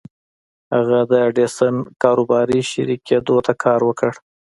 هغه د ايډېسن کاروباري شريک کېدو ته کار وکړ.